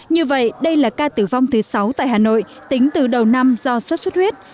như vậy đây là ca tử vong thứ sáu tại hà nội tính từ đầu năm do xuất xuất huyết